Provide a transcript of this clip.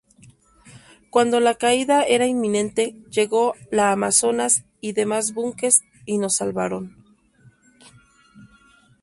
Cuando la caída era inminente ""llegó la Amazonas, y demás buques y nos salvaron.